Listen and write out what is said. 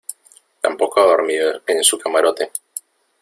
tampoco ha dormido en su camarote.